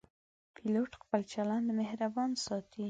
پیلوټ خپل چلند مهربان ساتي.